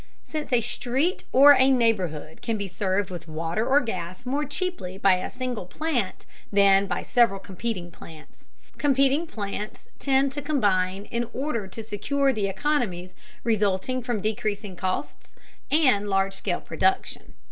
Since a street or a neighborhood can be served with water or gas more cheaply by a single plant than by several competing plants, competing plants tend to combine in order to secure the economies resulting from decreasing cost and large scale production.